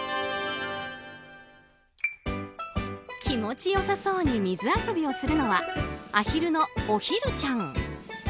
気持ちよさそうに水遊びをするのはアヒルのおひるちゃん。